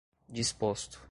disposto